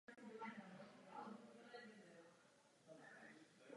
Důraz se klade především na standardní kvalitu piva.